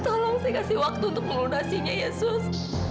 tolong saya kasih waktu untuk melunasinya ya sus